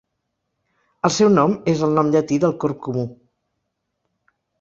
El seu nom és el nom llatí del corb comú.